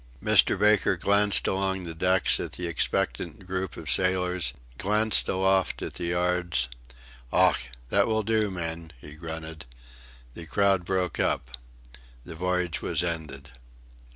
Mr. Baker glanced along the decks at the expectant group of sailors, glanced aloft at the yards. "Ough! That will do, men," he grunted. The group broke up. The voyage was ended.